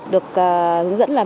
được hướng dẫn là